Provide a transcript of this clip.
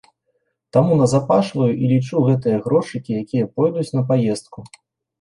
Таму назапашваю і лічу гэтыя грошыкі, якія пойдуць на паездку.